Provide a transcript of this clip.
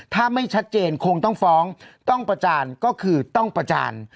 ถ้าไม่ชัดเจนคงต้องฟ้องต้องประจานก็คือต้องประจาน